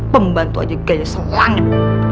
pembantu aja gaya selangit